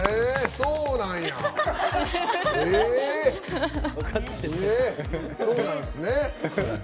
そうなんですね。